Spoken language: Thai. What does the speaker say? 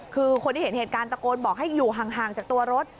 คือคนที่เห็นเหตุการณ์ตะโกนบอกให้อยู่ห่างจากตัวรถ